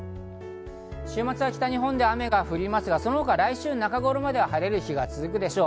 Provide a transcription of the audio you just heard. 週末は北日本で雨が降りますが、その他、来週中頃までは晴れる日が続くでしょう。